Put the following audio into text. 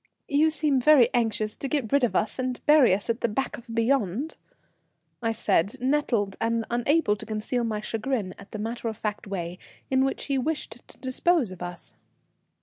"You seem very anxious to get rid of us and bury us at the back of beyond," I said, nettled and unable to conceal my chagrin at the matter of fact way in which he wished to dispose of us.